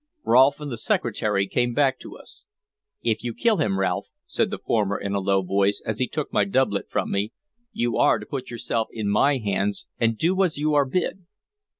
Rolfe and the Secretary came back to us. "If you kill him, Ralph," said the former in a low voice, as he took my doublet from me, "you are to put yourself in my hands and do as you are bid."